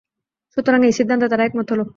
সুতরাং এই সিদ্ধান্তে তারা একমত হল।